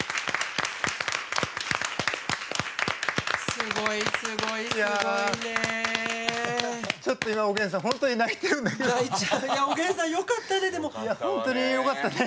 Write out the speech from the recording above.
すごい、すごいねー！